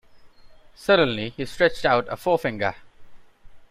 Suddenly he stretched out a forefinger.